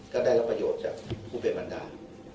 จะได้รักประโยชน์จากผู้เป็นปีดามัณฑา